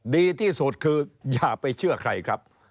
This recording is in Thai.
ดีที่สุดคืออย่าไปเชื่อใครครับ